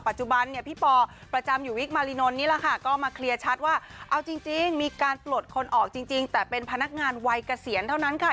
เนี่ยพี่ปอประจำอยู่วิกมารินนท์นี่แหละค่ะก็มาเคลียร์ชัดว่าเอาจริงมีการปลดคนออกจริงแต่เป็นพนักงานวัยเกษียณเท่านั้นค่ะ